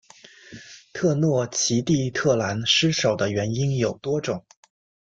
特诺奇蒂特兰失守的原因有多种。